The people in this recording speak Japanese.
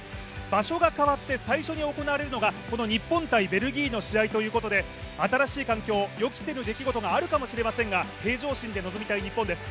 場所がかわって最初に行われるのが、日本×ベルギーの試合ということで、新しい環境、予期せぬ出来事があるかもしれませんが平常心で臨みたい日本です。